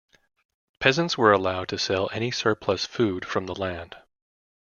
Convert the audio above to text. Peasants were allowed to sell any surplus food from the land.